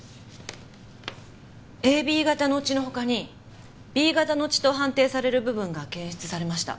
ＡＢ型の血の他にＢ型の血と判定される部分が検出されました。